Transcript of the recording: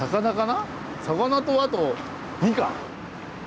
魚とあとみかん。